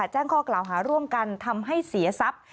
แจ้งข้อกล่าวหาร่วมกันทำให้เสียทรัพย์